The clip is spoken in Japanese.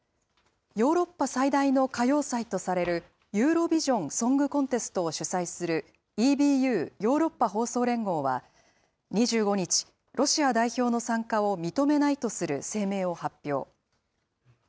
ヨーロッパ最大の歌謡祭とされる、ユーロビジョン・ソングコンテストを主催する、ＥＢＵ・ヨーロッパ放送連合は２５日、ロシア代表の参加を認めないとする声明を発表。